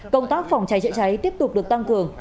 công tác phòng cháy chữa cháy tiếp tục được tăng cường